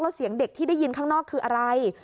แล้วเสียงเด็กที่ได้ยินข้างนอกคืออะไร